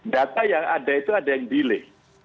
data yang ada itu ada yang delay